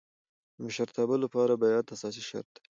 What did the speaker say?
د مشرتابه له پاره بیعت اساسي شرط دئ.